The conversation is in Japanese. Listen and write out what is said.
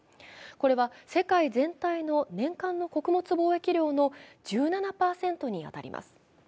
これは世界全体の年間の穀物貿易量の１７％に当たります。